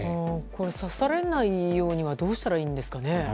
刺されないようにはどうしたらいいんでしょうか。